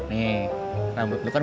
c pierre ini agak hajar di sini